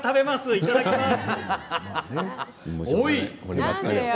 いただきます。